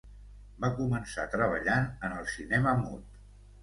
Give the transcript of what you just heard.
Va començar treballant en el cinema mut.